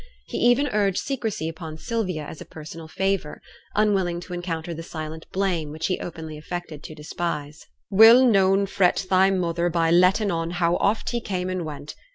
He even urged secrecy upon Sylvia as a personal favour; unwilling to encounter the silent blame which he openly affected to despise. 'We'll noane fret thy mother by lettin' on how oft he came and went.